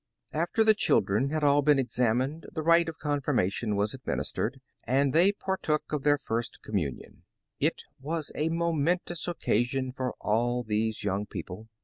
After the children had all been examined, the rite of confirmation was administered, and thej^ partook of their first communion. It was a momentous occasion for all these young people.